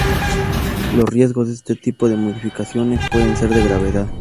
Los riesgos de este tipo de modificaciones pueden ser de gravedad.